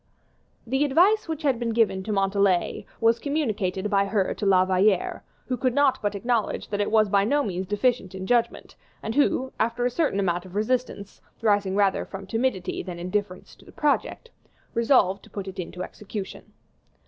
The advice which had been given to Montalais was communicated by her to La Valliere, who could not but acknowledge that it was by no means deficient in judgment, and who, after a certain amount of resistance, rising rather from timidity than indifference to the project, resolved to put it into execution.